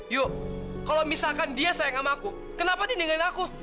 yuk kalau misalkan dia sayang sama aku kenapa dia meninggalin aku